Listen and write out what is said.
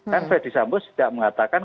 kan fedy sambo tidak mengatakan